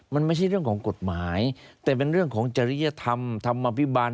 มันไม่ใช่เรื่องของกฎหมายแต่เป็นเรื่องของจริยธรรมธรรมอภิบาล